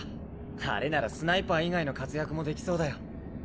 あれならスナイパー以外の活躍もできそうだよ。